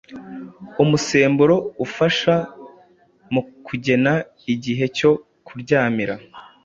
umusemburo ufasha mu kugena igihe cyo kuryamira